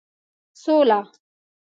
سوله